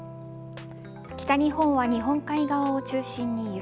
北日本は日本海側を中心に雪。